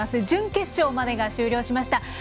準決勝までが終了しました。